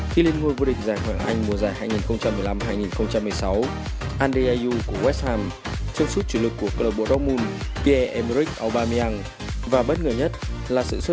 khi lên ngôi vô địch giải hoạng cầu thủ đã được đồng ý để cầu thủ